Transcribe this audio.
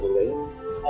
cũng như là